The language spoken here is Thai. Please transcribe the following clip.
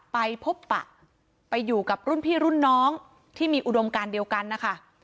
ไปพบปะไปอยู่กับรุ่นพี่รุ่นน้องที่มีอุดมการเดียวกันนะคะ